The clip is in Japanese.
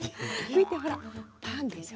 見てほらパンでしょ